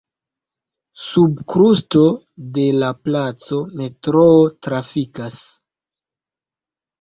Sub krusto de la placo metroo trafikas.